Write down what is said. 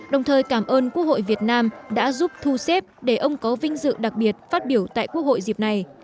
đồng thời cảm ơn quốc hội việt nam đã giúp thu xếp để ông có vinh dự đặc biệt phát biểu tại quốc hội dịp này